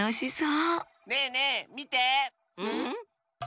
うん？